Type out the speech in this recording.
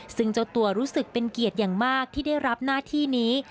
ซึ่งเจ้าตัวรู้สึกเป็นเกียรติอย่างมากที่ได้รับหน้าที่นี้